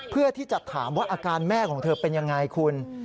เพื่อที่จะถามว่าอาการแม่ของเธอเป็นยังไงคุณ